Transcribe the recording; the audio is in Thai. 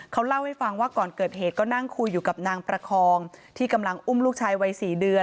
เขาเล่าให้ฟังว่าก่อนเกิดเหตุก็นั่งคุยอยู่กับนางประคองที่กำลังอุ้มลูกชายวัย๔เดือน